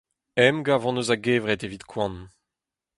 Emgav hon eus a-gevret evit koan.